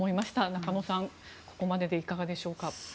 中野さん、ここまででいかがでしょうか。